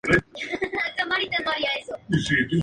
Se han encontrado varios fósiles en distintas partes mundo.